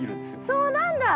そうなんだ。